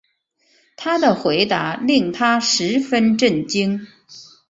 他的回答令她十分震惊